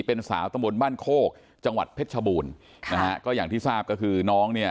เป็นสาวตะบนบ้านโคกจังหวัดเพชรชบูรณ์นะฮะก็อย่างที่ทราบก็คือน้องเนี่ย